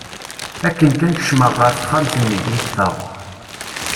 Akken kan kecmeɣ ɣer texxamt-nni, yeffeɣ.